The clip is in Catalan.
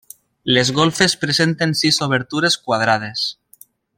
Les golfes presenten sis obertures quadrades.